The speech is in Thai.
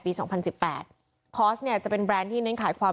สองพันสิบแปดคอร์สเนี่ยจะเป็นแบรนด์ที่เน้นขายความ